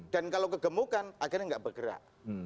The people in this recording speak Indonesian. dan kalau kegemukan akhirnya nggak bergerak